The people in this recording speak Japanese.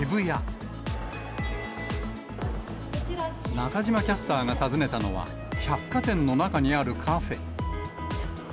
中島キャスターが訪ねたのは、百貨店の中にあるカフェ。